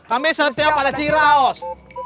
kami setia pada ciraus